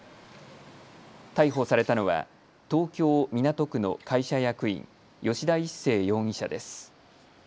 逮捕されたのは東京港区の会社役員、吉田一誠容疑者です。